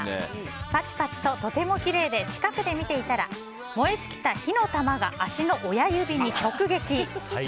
パチパチと、とてもきれいで近くで見ていたら燃え尽きた火の玉が足の親指に直撃。